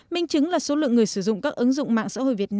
minh chứng là số lượng người sử dụng các ứng dụng mạng xã hội việt nam